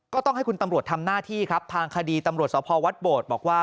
ก็ต้องให้คุณตำรวจทำหน้าที่ครับทางคดีตำรวจสพวัดโบดบอกว่า